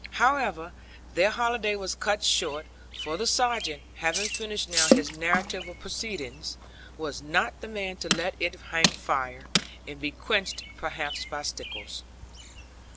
However, their holiday was cut short; for the Sergeant, having finished now his narrative of proceedings, was not the man to let it hang fire, and be quenched perhaps by Stickles.